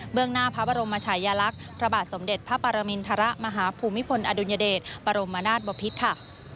งหน้าพระบรมชายลักษณ์พระบาทสมเด็จพระปรมินทรมาฮภูมิพลอดุลยเดชบรมนาศบพิษค่ะ